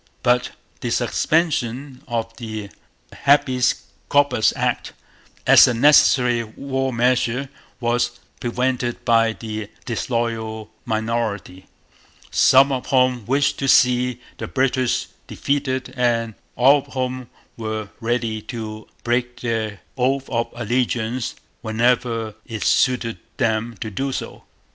But the suspension of the Habeas Corpus Act, as a necessary war measure, was prevented by the disloyal minority, some of whom wished to see the British defeated and all of whom were ready to break their oath of allegiance whenever it suited them to do so.